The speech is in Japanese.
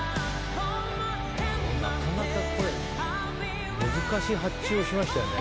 なかなかこれ難しい発注をしましたよね。